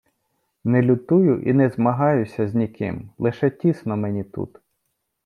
Не лютую і не змагаюся з ніким, лише тісно мені тут.